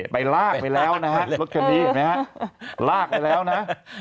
ไปลากไปแล้วนะฮะรถคันนี้เห็นไหมฮะลากไปแล้วนะ